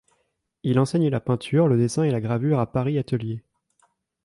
Il enseigne la peinture, le dessin et la gravure à Paris-Ateliers.